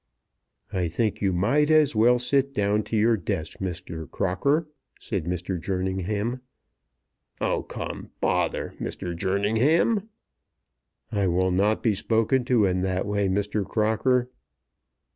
"I think you might as well sit down to your desk, Mr. Crocker," said Mr. Jerningham. "Oh, come, bother, Mr. Jerningham!" "I will not be spoken to in that way, Mr. Crocker."